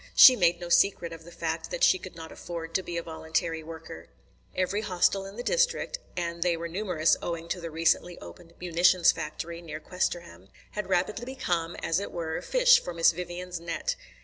She made no secret of the fact that she could not afford to be a voluntary worker. Every Hostel in the district, and they were numerous owing to the recently opened Munitions Factory near Questerham, had rapidly become, as it were, fish for Miss Vivian's net.